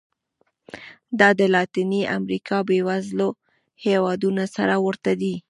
دا د لاتینې امریکا بېوزلو هېوادونو سره ورته دي.